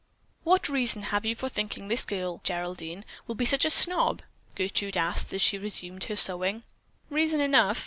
"What reason have you for thinking this girl, Geraldine, will be such a snob?" Gertrude asked as she resumed her sewing. "Reason enough!"